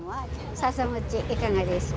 笹餅いかがですか？